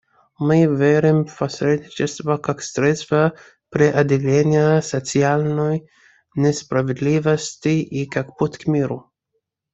Мы верим в посредничество как средство преодоления социальной несправедливости и как путь к миру.